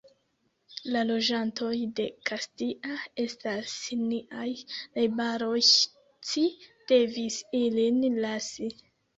La loĝantoj de Kastia estas niaj najbaroj, ci devis ilin lasi.